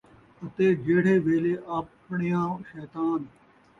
اَتے وَل جِہڑے ویلے آپݨیاں شیطان